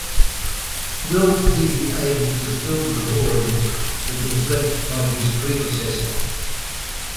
Will he be able to fill the void that was left by his predecessor?